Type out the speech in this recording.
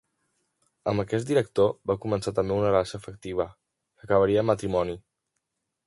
Amb aquest director va començar també una relació afectiva que acabaria en matrimoni.